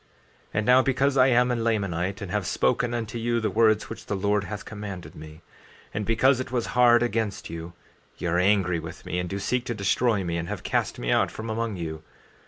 14:10 And now, because I am a Lamanite, and have spoken unto you the words which the Lord hath commanded me, and because it was hard against you, ye are angry with me and do seek to destroy me, and have cast me out from among you.